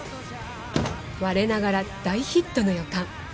我ながら大ヒットの予感